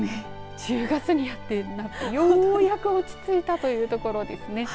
１０月になってようやく落ち着いたというところですね。